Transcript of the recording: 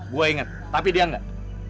gue inget tapi dia enggak